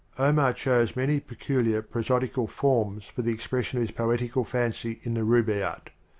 Omar chose many peculiar prosodical forms for the expression of his poetical fancy in the Rubai yat.